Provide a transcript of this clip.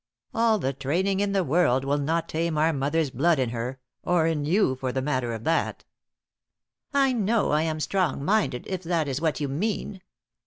"All the training in the world will not tame our mother's blood in her or in you, for the matter of that!" "I know I am strong minded, if that is what you mean."